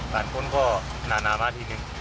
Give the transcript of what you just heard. บางคนก็มานานหน้าทีนึง